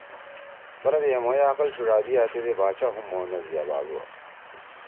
بنَدی ہے مھوئے عقل ڇِھڙادیا۔ تیدے باچا ہُم مھو نہ زیا بھادُوا!